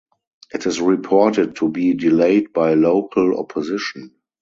It is reported to be delayed by local opposition.